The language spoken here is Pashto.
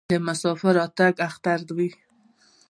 د مسافر راتګ اختر وي.